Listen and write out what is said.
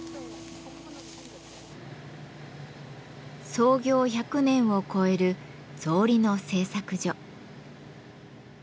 創業１００年を超える草履の制作所。